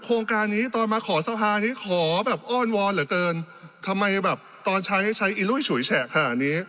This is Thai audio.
โครงการนี้ตอนมาขอสภานี้ขอแบบอ้อนวอนเหลือเกินทำไมแบบตอนใช้ใช้อีลุยฉุยแฉะขนาดนี้